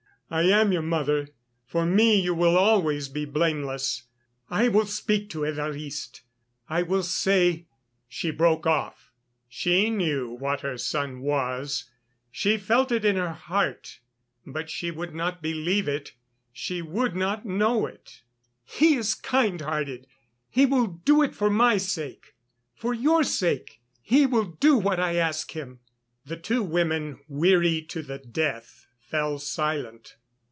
I am your mother; for me you will always be blameless. I will speak to Évariste, I will say...." She broke off. She knew what her son was; she felt it in her heart, but she would not believe it, she would not know it. "He is kind hearted. He will do it for my sake ... for your sake, he will do what I ask him." The two women, weary to the death, fell silent.